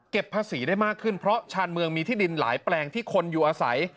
ภาษีได้มากขึ้นเพราะชาญเมืองมีที่ดินหลายแปลงที่คนอยู่อาศัย